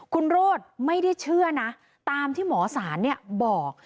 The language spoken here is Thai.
คุณโรธไม่ได้เชื่อนะตามที่หมอสารบอก